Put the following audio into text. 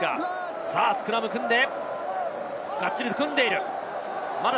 スクラムを組んで、がっちりと組んでいる。